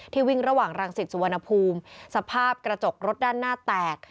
วิ่งระหว่างรังสิตสุวรรณภูมิสภาพกระจกรถด้านหน้าแตก